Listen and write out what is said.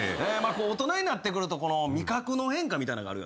大人になってくると味覚の変化みたいなんがあるよね。